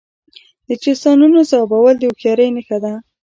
د چیستانونو ځوابول د هوښیارۍ نښه ده.